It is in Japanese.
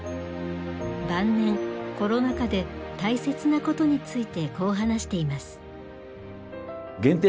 晩年コロナ禍で大切なことについてこう話しています。